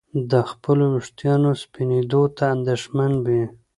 د خپلو ویښتانو سپینېدو ته اندېښمن وي.